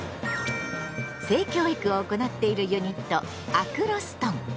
性教育を行っているユニット「アクロストン」。